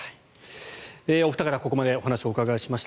お二方、ここまでお話をお伺いしました。